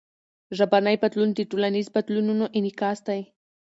ژبنی بدلون د ټولنیزو بدلونونو انعکاس دئ.